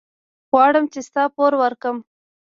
غواړم چې ستا پور ورکړم.